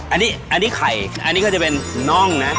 อันนี้ไข่อันนี้ก็จะเป็นน่องนะ